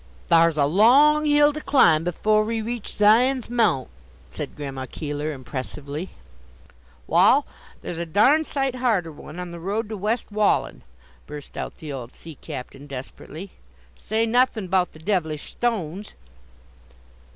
"Thar's a long hill to climb before we reach Zion's mount," said Grandma Keeler, impressively. "Wall, there's a darned sight harder one on the road to West Wallen!" burst out the old sea captain desperately; "say nothin' about the devilish stones!"